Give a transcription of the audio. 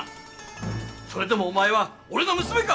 それでもお前は俺の娘か！